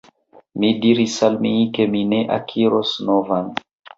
Mi diris al mi, ke mi ne akiros novan.